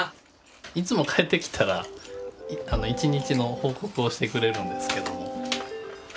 いつも帰ってきたら一日の報告をしてくれるんですけども。